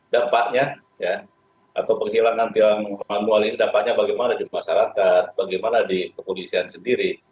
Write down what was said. dampaknya atau penghilangan tiang manual ini dampaknya bagaimana di masyarakat bagaimana di kepolisian sendiri